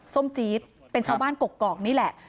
ส้มจี๊ดเป็นชาวบ้านกกอกนี่แหละ